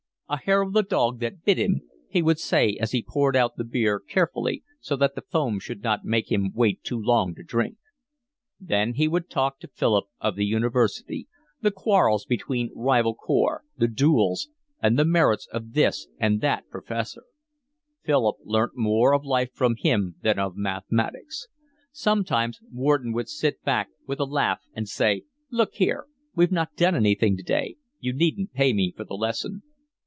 "A hair of the dog that bit him," he would say as he poured out the beer, carefully so that the foam should not make him wait too long to drink. Then he would talk to Philip of the university, the quarrels between rival corps, the duels, and the merits of this and that professor. Philip learnt more of life from him than of mathematics. Sometimes Wharton would sit back with a laugh and say: "Look here, we've not done anything today. You needn't pay me for the lesson."